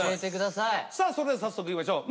さあそれでは早速いきましょう。